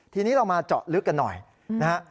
ทีนี้เรามาเจาะลึกกันหน่อยนะฮะ